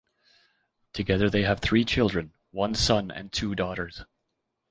Together they have three children; one son and two daughters.